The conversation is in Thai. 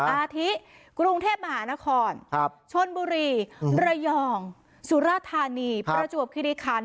อาทิกรุงเทพมหานครชนบุรีระยองสุราธานีประจวบคิริคัน